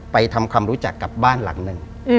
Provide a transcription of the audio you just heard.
ทำความรู้จักกับบ้านหลังหนึ่ง